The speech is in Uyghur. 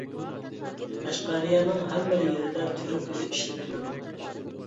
قەشقەرىيەنىڭ ھەممىلا يېرىدە تۈرك تىلى ئىشلىتىلىدۇ.